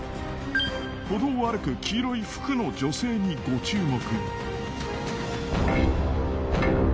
歩道を歩く黄色い服の女性にご注目。